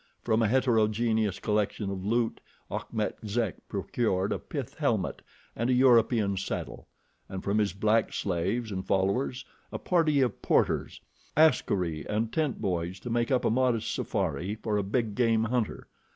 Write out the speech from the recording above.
From a heterogeneous collection of loot, Achmet Zek procured a pith helmet and a European saddle, and from his black slaves and followers a party of porters, askaris and tent boys to make up a modest safari for a big game hunter.